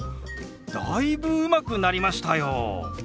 だいぶうまくなりましたよ！